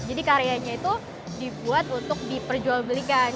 jadi karyanya itu dibuat untuk diperjualbeli ke tempat lain